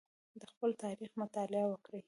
د خپل تاریخ مطالعه وکړئ.